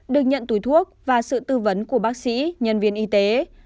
được nhận túi thuốc và sự tư vấn của bác sĩ nhân viên y tế